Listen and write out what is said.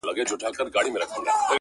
دا ستا شعرونه مي د زړه آواز دى.